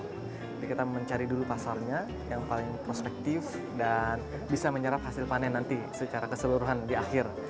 jadi kita mencari dulu pasarnya yang paling prospektif dan bisa menyerap hasil panen nanti secara keseluruhan di akhir